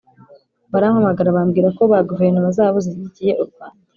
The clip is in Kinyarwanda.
barampamagara bambwira ko ba guverinoma zabo zishyigikiye u rwanda.